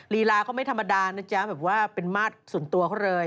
รีราเค้าไม่ธรรมดานะจ๊ะส่วนตัวเค้าเลย